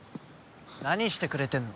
何してくれてんの？